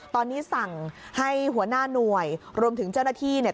ตอนนี้สั่งให้หัวหน้าหน่วยรวมถึงเจ้าหน้าที่เนี่ย